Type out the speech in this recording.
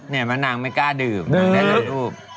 มะนางไม่กล้าดื่มนางได้เลยรูป